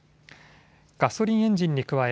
ガソリンエンジンに加え